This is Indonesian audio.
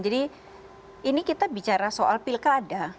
jadi ini kita bicara soal pilkada